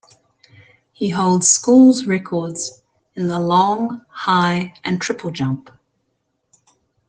He holds schools records in the long, high, and triple jump.